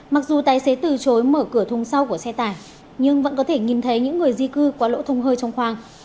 mặc dù tài xế từ chối mở cửa thùng sau của xe tải nhưng vẫn có thể nhìn thấy những người di cư qua lỗ thùng hơi trong khoang